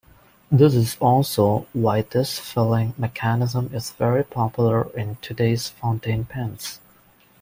This is also why this filling mechanism is very popular in today's fountain pens.